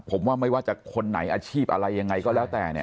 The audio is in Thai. ผมว่าไม่ว่าจะคนไหนอาชีพอะไรยังไงก็แล้วแต่เนี่ย